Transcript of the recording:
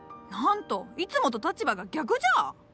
なんといつもと立場が逆じゃ！